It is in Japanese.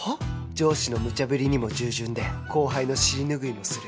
上司のむちゃぶりにも従順で後輩の尻拭いもする